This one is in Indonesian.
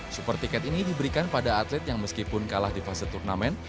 super tiket ini diberikan pada atlet yang meskipun kalah di fase turnamen